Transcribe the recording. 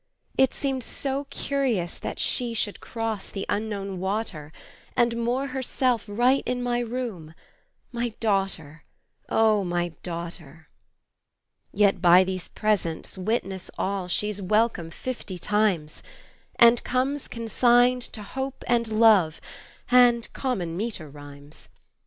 It seemed so curious that she Should cross the Unknown water, And moor herself right in my room, My daughter, O my daughter! Yet by these presents witness all She's welcome fifty times, And comes consigned to Hope and Love And common meter rhymes.